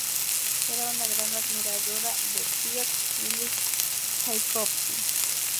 Era una gran admiradora de Piotr Ilich Chaikovski